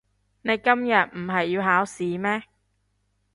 你今日唔係要考試咩？